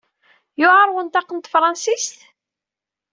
Yewɛeṛ wenṭaq n tefṛensist?